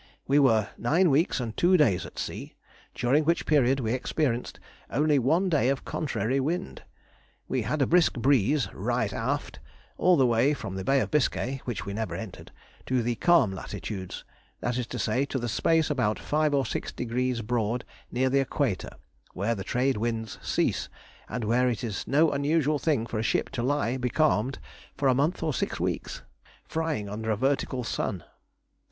We were nine weeks and two days at sea, during which period we experienced only one day of contrary wind. We had a brisk breeze "right aft" all the way from the Bay of Biscay (which we never entered) to the "calm latitudes," that is to say, to the space about five or six degrees broad near the equator, where the trade winds cease, and where it is no unusual thing for a ship to lie becalmed for a month or six weeks, frying under a vertical sun.